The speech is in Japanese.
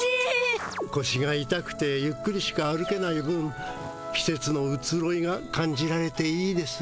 こしがいたくてゆっくりしか歩けない分きせつのうつろいが感じられていいですよ。